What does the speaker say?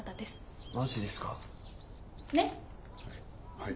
はい。